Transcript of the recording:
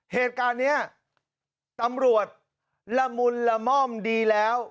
เหตุการณ์นี้ตำรวจละมุนละม่อมดีแล้ว